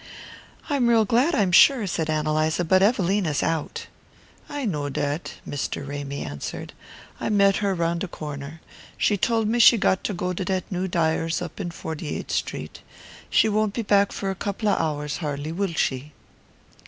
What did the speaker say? "I'm real glad, I'm sure," said Ann Eliza; "but Evelina's out." "I know dat," Mr. Ramy answered. "I met her round de corner. She told me she got to go to dat new dyer's up in Forty eighth Street. She won't be back for a couple of hours, har'ly, will she?"